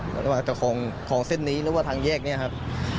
ระหว่างจะคลองเส้นนี้หรือว่าทางแยกนี้ครับ